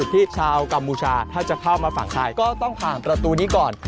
ที่ชาวกัมพูชาถ้าจะเข้ามาฝั่งไทยก็ต้องผ่านประตูนี้ก่อน